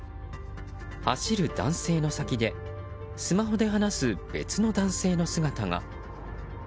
走る男性の先でスマホで話す別の男性の姿が。